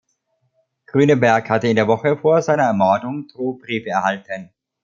Grüneberg hatte in der Woche vor seiner Ermordung Drohbriefe erhalten.